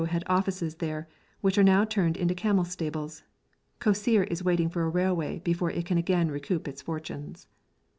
had offices there, which are now turned into camel stables. Kosseir is waiting for a railway before it can again recoup its fortunes.